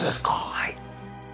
はい。